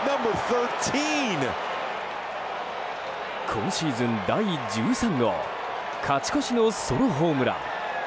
今シーズン第１３号勝ち越しのソロホームラン。